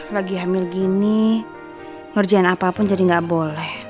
lagi hamil gini ngerjain apapun jadi nggak boleh